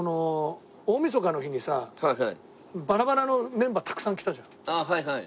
大みそかの日にさ「バラバラ」のメンバーたくさん来たじゃん。